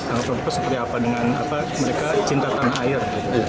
angka angka seperti apa dengan mereka cinta tanah air